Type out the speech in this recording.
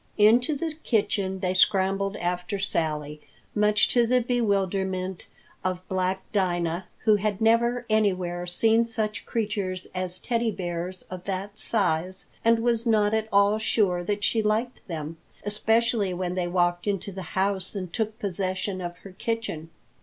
Into the kitchen they scrambled after Sally, much to the bewilderment of black Dinah, who had never anywhere seen such creatures as Teddy Bears of that size, and was not at all sure that she liked them, especially when they walked into the house and took possession of her kitchen.